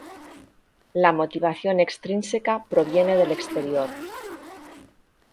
La motivación extrínseca proviene del exterior.